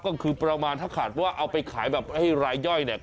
ก็คือประมาณถ้าขาดว่าเอาไปขายแบบให้รายย่อยเนี่ย